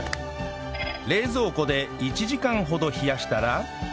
冷蔵庫で１時間ほど冷やしたら